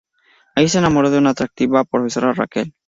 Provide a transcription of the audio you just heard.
Allí se enamorará de una atractiva profesora: Raquel.